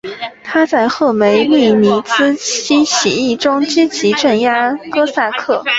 他在赫梅利尼茨基起义中积极镇压哥萨克。